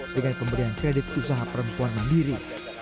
dengan pemberian kredit usaha perempuan mandiri